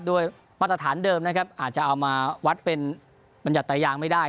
มาตรฐานเดิมนะครับอาจจะเอามาวัดเป็นบรรยัตตายางไม่ได้